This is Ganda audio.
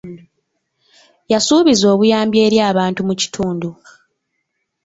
Yasuubizza obuyambi eri abantu mu kitundu.